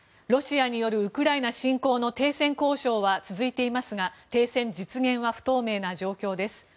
ロシアによるウクライナ侵攻の停戦交渉は続いていますが停戦実現は不透明な状況です。